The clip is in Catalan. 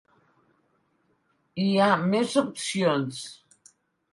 Hi ha més opcions.